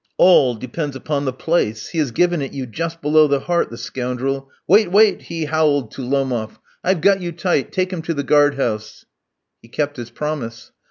All depends upon the place. He has given it you just below the heart, the scoundrel. Wait, wait!" he howled to Lomof. "I've got you tight; take him to the guard house." He kept his promise.